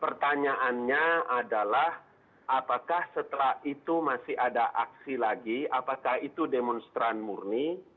pertanyaannya adalah apakah setelah itu masih ada aksi lagi apakah itu demonstran murni